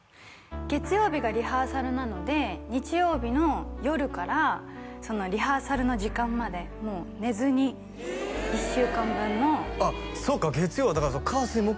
月曜日がリハーサルなので日曜日の夜からリハーサルの時間までもう寝ずに１週間分のあっそうか月曜はだから火水木